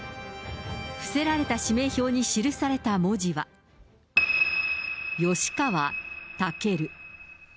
伏せられたに記された文字は、吉川赳。